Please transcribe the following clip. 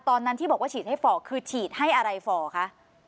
ตอนนั้นที่บอกว่าฉีดให้ฝ่อคือฉีดให้อะไรฝ่อคะ